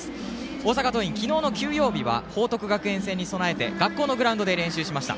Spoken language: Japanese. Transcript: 大阪桐蔭、昨日の休養日は報徳学園戦に備えて学校のグラウンドで練習しました。